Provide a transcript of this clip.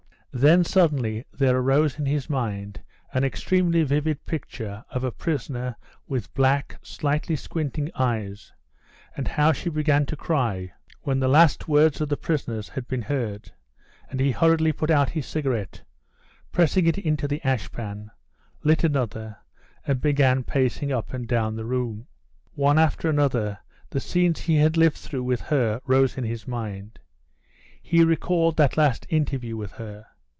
Then suddenly there arose in his mind an extremely vivid picture of a prisoner with black, slightly squinting eyes, and how she began to cry when the last words of the prisoners had been heard; and he hurriedly put out his cigarette, pressing it into the ash pan, lit another, and began pacing up and down the room. One after another the scenes he had lived through with her rose in his mind. He recalled that last interview with her.